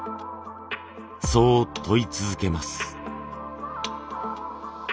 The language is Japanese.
そう問い続けます。